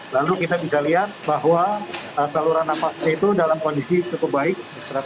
lalu kita bisa lihat bahwa saluran nafasnya itu dalam kondisi cukup baik